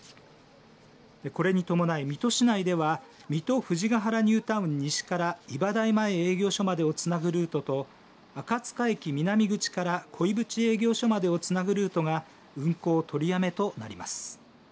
これに伴い水戸市内では水戸藤が原ニュータウン西から茨大前営業所までをつなぐルートと赤塚駅南口から鯉淵営業所までをつなぐルートが運行取りやめとなります。